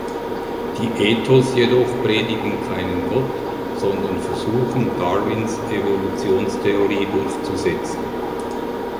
Die Ethos jedoch predigen keinen Gott, sondern versuchen, Darwins Evolutionstheorie durchzusetzen.